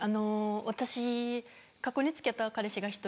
私過去に付き合った彼氏が１人。